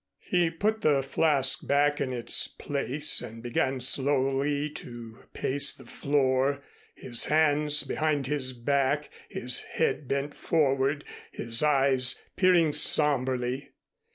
He put the flask back in its place and began slowly to pace the floor, his hands behind his back, his head bent forward, his eyes peering somberly.